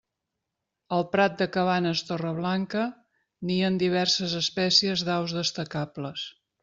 Al Prat de Cabanes-Torreblanca nien diverses espècies d'aus destacables.